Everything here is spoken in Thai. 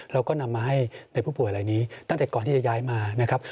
เราก็นำมาให้ในผู้ป่วยอะไรนี้ตั้งแต่ก่อนที่จะย้ายมานะครับ